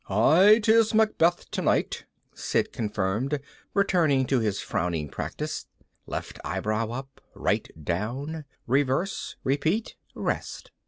"Aye, 'tiz Macbeth tonight," Sid confirmed, returning to his frowning practice: left eyebrow up, right down, reverse, repeat, rest.